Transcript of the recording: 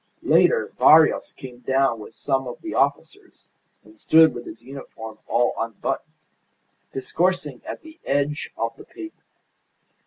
Later Barrios came down with some of the officers, and stood with his uniform all unbuttoned, discoursing at the edge of the pavement.